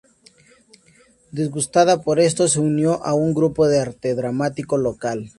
Disgustada por esto, se unió a un grupo de arte dramático local.